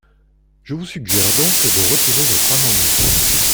Je vous suggère donc de retirer votre amendement.